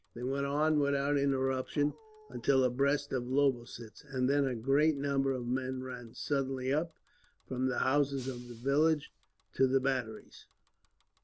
They went on without interruption, until abreast of Lobositz; and then a great number of men ran suddenly up, from the houses of the village, to the batteries.